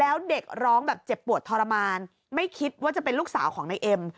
แล้วเด็กร้องแบบเจ็บปวดทรมานไม่คิดว่าจะเป็นลูกสาวของนายเอ็ม